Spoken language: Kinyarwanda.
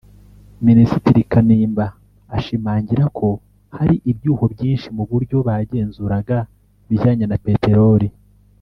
Minisitiri Kanimba ashimangira ko hari hari ibyuho byinshi mu buryo bagenzuraga ibijyanye na Peteroli